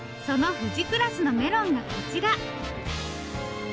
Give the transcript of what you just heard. その富士クラスのメロンがこちら。